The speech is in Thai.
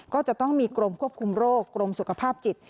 ก็จะต้องมีกรมควบคุมโรคกรมสุขภาพจิต